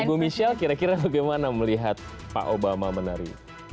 ibu michelle kira kira bagaimana melihat pak obama menari